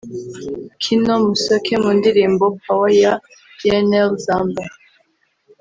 Kino Musoke mu ndirimbo Power ya Gnl Zamba